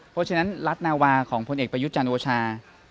เพราะฉะนั้นรัฐนาวาของพลเอกประยุทธ์จันทร์โอชา